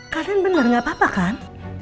kalian bener gak apa apa kan